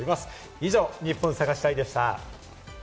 以上、ニッポン探し隊！でした。